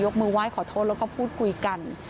มือไห้ขอโทษแล้วก็พูดคุยกัน